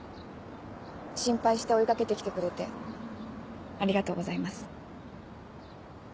心配して追いかけてきてくれてありがとうございます。